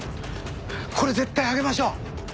これ絶対上げましょう！